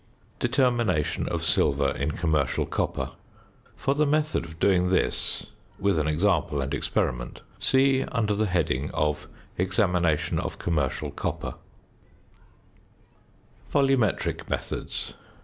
~Determination of Silver in Commercial Copper.~ For the method of doing this, with an example and experiment, see under the heading of Examination of Commercial Copper. VOLUMETRIC METHODS.